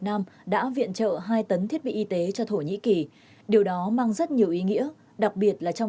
nam đã viện trợ hai tấn thiết bị y tế cho thổ nhĩ kỳ điều đó mang rất nhiều ý nghĩa đặc biệt là trong